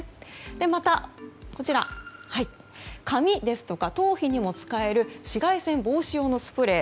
また、髪ですとか頭皮にも使える紫外線防止用のスプレー。